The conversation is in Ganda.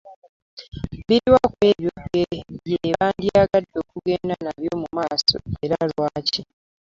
Biriwa ku ebyo bye bandyagadde okugenda nabyo mu maaso, era lwaki?